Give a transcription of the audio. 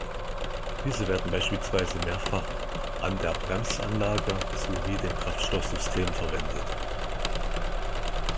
Diese werden beispielsweise mehrfach an der Bremsanlage sowie dem Kraftstoffsystem verwendet.